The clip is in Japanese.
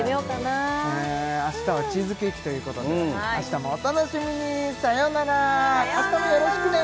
あ明日はチーズケーキということで明日もお楽しみにさよなら明日もよろしくね！